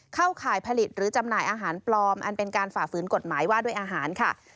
เข้าข่ายผลิตหรือจำหน่ายอาหารปลอมอันเป็นการฝ่าฝืนกฎหมายว่าด้วยอาหารค่ะ